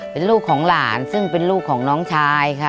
เป็นลูกของหลานซึ่งเป็นลูกของน้องชายค่ะ